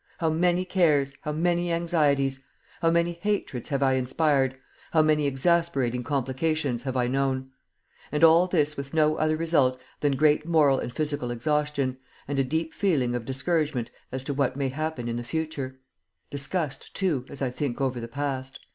How many cares, how many anxieties! How many hatreds have I inspired, how many exasperating complications have I known! And all this with no other result than great moral and physical exhaustion, and a deep feeling of discouragement as to what may happen in the future, disgust, too, as I think over the past."